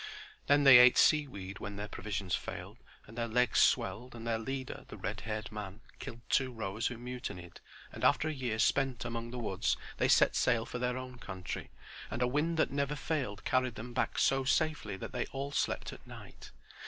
Then they ate sea weed when their provisions failed, and their legs swelled, and their leader, the red haired man, killed two rowers who mutinied, and after a year spent among the woods they set sail for their own country, and a wind that never failed carried them back so safely that they all slept at night.